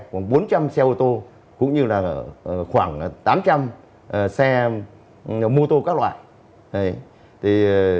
khoảng bốn trăm linh xe ô tô cũng như là khoảng tám trăm linh xe mô tô các loại